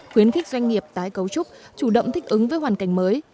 khuyến khích doanh nghiệp tái cấu trúc chủ động thích ứng với hoàn cảnh mới